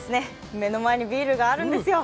目の前にビールがあるんですよ。